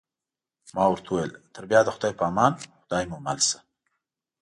ما ورته وویل: تر بیا د خدای په امان، خدای مو مل شه.